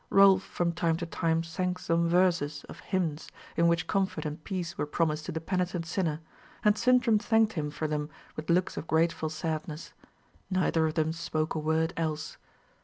Rolf from time to time sang some verses of hymns, in which comfort and peace were promised to the penitent sinner, and Sintram thanked him for them with looks of grateful sadness. Neither of them spoke a word else.